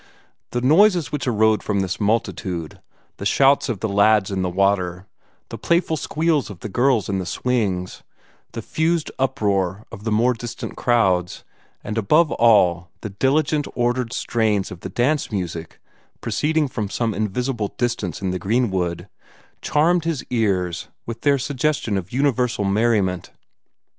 The noises which arose from this multitude the shouts of the lads in the water, the playful squeals of the girls in the swings, the fused uproar of the more distant crowds, and above all the diligent, ordered strains of the dance music proceeding from some invisible distance in the greenwood charmed his ears with their suggestion of universal merriment.